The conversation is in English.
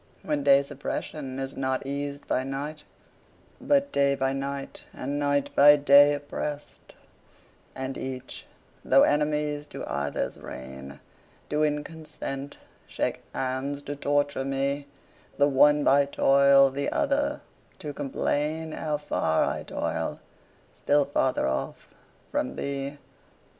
When day's oppression is not eas'd by night, But day by night and night by day oppress'd, And each, though enemies to either's reign, Do in consent shake hands to torture me, The one by toil, the other to complain How far I toil, still farther off from thee.